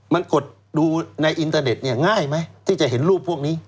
มันกดดูในอินเตอร์เน็ตเนี่ยง่ายไหมที่จะเห็นรูปพวกนี้